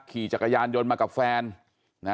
ขี่จักรยานยนต์มากับแฟนนะ